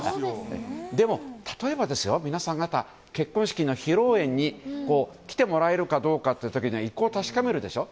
でも、例えば皆さん方結婚式の披露宴に来てもらえるかどうかっていう時には意向を確かめるでしょう？